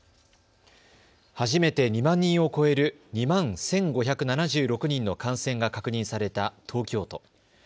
初めて２万人を超える２万１５７６人の感染が確認された東京都。